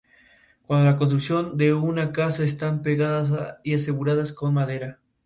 Cuando la construcción de una casa, están pegadas y aseguradas con madera.